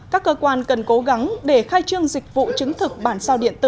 các cơ quan cần cố gắng để khai trương dịch vụ chứng thực bản sao điện tử